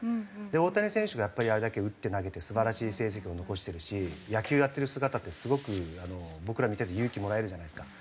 で大谷選手がやっぱりあれだけ打って投げて素晴らしい成績を残してるし野球やってる姿ってすごく僕ら見てて勇気もらえるじゃないですか。